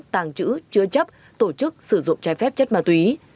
tàng trữ chứa chấp tổ chức sử dụng chai phép chất ma tùy